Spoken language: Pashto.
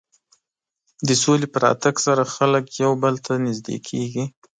د سولې په راتګ سره خلک یو بل ته نژدې کېږي.